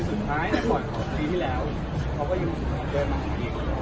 เพราะว่าจากนี้